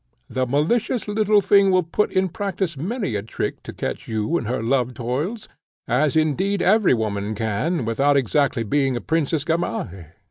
The malicious little thing will put in practice many a trick to catch you in her love toils, as, indeed, every woman can, without exactly being a Princess Gamaheh.